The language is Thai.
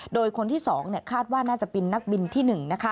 โดยคนที่๒คาดว่าน่าจะเป็นนักบินที่๑